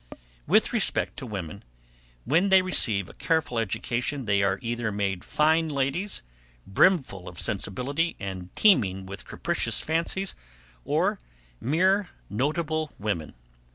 With respect to women, when they receive a careful education, they are either made fine ladies, brimful of sensibility, and teeming with capricious fancies; or mere notable women.